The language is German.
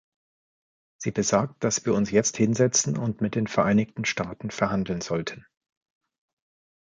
Sie besagt, dass wir uns jetzt hinsetzen und mit den Vereinigten Staaten verhandeln sollten.